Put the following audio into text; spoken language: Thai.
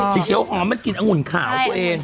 สีเขียวหอมมันกลิ่นองุ่นขาวตัวเอง